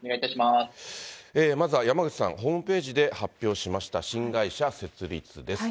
まずは山口さん、ホームページで発表しました、新会社設立です。